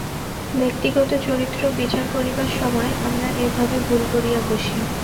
ব্যক্তিগত চরিত্র বিচার করিবার সময় আমরা এ-ভাবে ভুল করিয়া বসি।